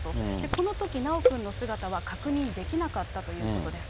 このとき、修くんの姿は確認できなかったということです。